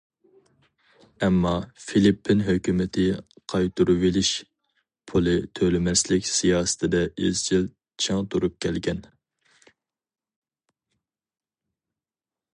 ئەمما فىلىپپىن ھۆكۈمىتى قايتۇرۇۋېلىش پۇلى تۆلىمەسلىك سىياسىتىدە ئىزچىل چىڭ تۇرۇپ كەلگەن.